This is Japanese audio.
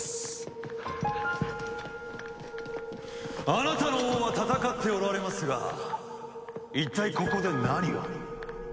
あなたの王は戦っておられますが一体ここで何を？